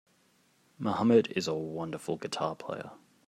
Mohammed is a wonderful guitar player.